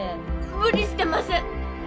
無理してません！